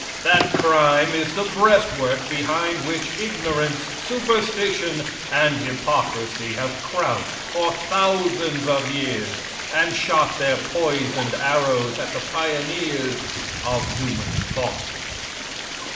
That crime is the breastwork behind which ignorance, superstition and hypocrisy have crouched for thousands of years, and shot their poisoned arrows at the pioneers of human thought.